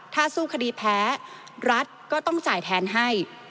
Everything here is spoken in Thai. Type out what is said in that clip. ถ้าสู้คดีแพ้รัฐก็ต้องจ่ายแทนให้